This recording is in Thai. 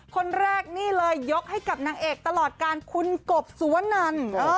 คนแรกนี่เลยยกให้กับนางเอกตลอดการคุณกบสุวนัน